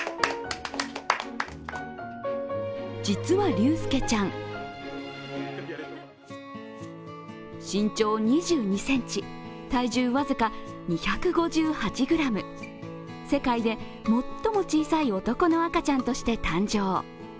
実は、竜佑ちゃん身長２２ｃｍ、体重僅か２５８ｇ、世界で最も小さい男の赤ちゃんとして誕生。